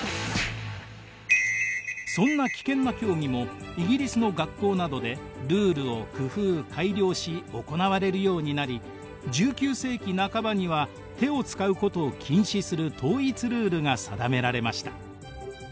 そんな危険な競技もイギリスの学校などでルールを工夫改良し行われるようになり１９世紀半ばには手を使うことを禁止する統一ルールが定められました。